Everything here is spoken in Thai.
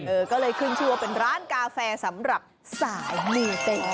เออก็เลยขึ้นชื่อว่าเป็นร้านกาแฟสำหรับสายมูเต